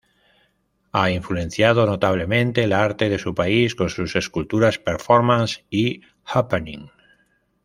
Ha influenciado notablemente el arte de su país con sus esculturas, performance y happening.